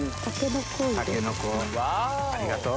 ありがとう。